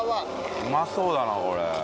うまそうだなこれ。